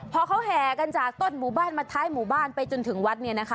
พอเขาแห่กันจากต้นหมู่บ้านมาท้ายหมู่บ้านไปจนถึงวัดเนี่ยนะคะ